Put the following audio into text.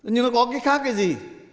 nhưng nó có cái khác cái gì